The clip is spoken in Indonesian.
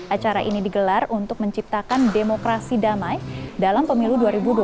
acara ini digelar untuk menciptakan demokrasi damai dalam pemilu dua ribu dua puluh